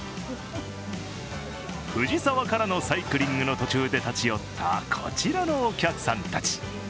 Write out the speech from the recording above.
藤沢からのサイクリングの途中で立ち寄ったこちらのお客さんたち。